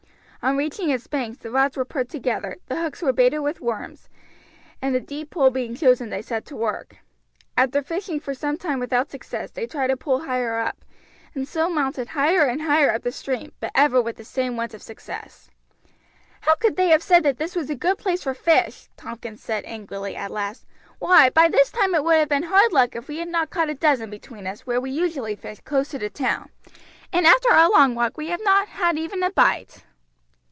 On reaching its banks the rods were put together, the hooks were baited with worms, and a deep pool being chosen they set to work. After fishing for some time without success they tried a pool higher up, and so mounted higher and higher up the stream, but ever with the same want of success. "How could they have said that this was a good place for fish?" Tompkins said angrily at last. "Why, by this time it would have been hard luck if we had not caught a dozen between us where we usually fish close to the town, and after our long walk we have not had even a bite."